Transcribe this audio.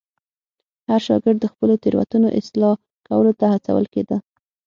هر شاګرد د خپلو تېروتنو اصلاح کولو ته هڅول کېده.